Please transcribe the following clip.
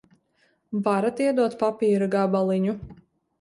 Varat iedot papīra gabaliņu?